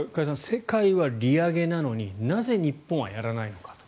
世界は利上げなのになぜ、日本はやらないのかと。